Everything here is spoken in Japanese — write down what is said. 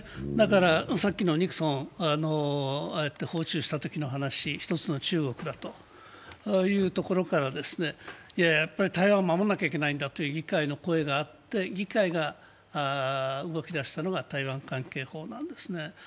さっきのニクソンの訪中したときの話、一つの中国だという話からやっぱり台湾を守らなきゃいけないんだという議会の声があって議会が動き出したのが台湾関係法なんですね。